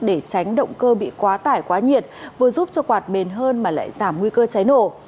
để tránh động cơ bị quá tải quá nhiệt vừa giúp cho quạt mềm hơn mà lại giảm nguy cơ cháy nổ